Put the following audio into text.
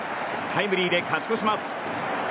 タイムリーで勝ち越します。